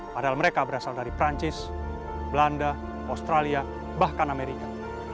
padahal mereka berasal dari perancis belanda australia bahkan amerika